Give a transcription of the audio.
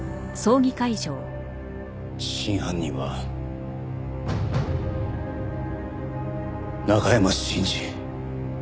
真犯人は中山信二。